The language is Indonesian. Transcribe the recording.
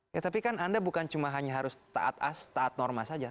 ya tapi kan anda bukan cuma hanya harus taat taat norma saja